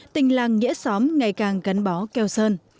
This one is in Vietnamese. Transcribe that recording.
tình làng nghĩa xóm ngày càng gắn bó keo sơn